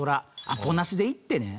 アポなしで行ってね